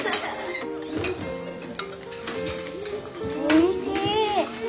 おいしい。